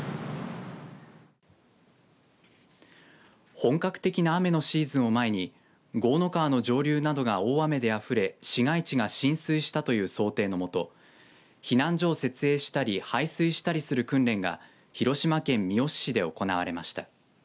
本格的な雨のシーズンを前に江の川の上流などが大雨であふれ市街地が浸水したという想定のもと避難所を設営したり排水したりする訓練が広島県三次市で行われました。